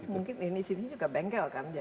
mungkin di sini juga bengkel kan